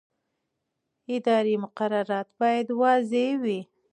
اداري مقررات باید واضح وي.